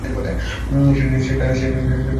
সেটা আমি ছিলাম মুকেশ।